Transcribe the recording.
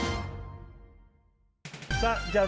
さあじゃあ